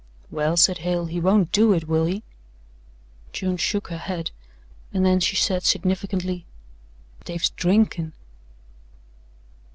"Well," said Hale, "he won't do it, will he?" June shook her head and then she said significantly: "Dave's drinkin'."